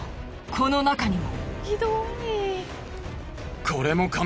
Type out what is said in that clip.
この中にも。